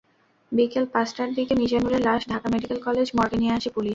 বিকেল পাঁচটার দিকে মিজানুরের লাশ ঢাকা মেডিকেল কলেজ মর্গে নিয়ে আসে পুলিশ।